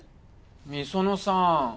美園さん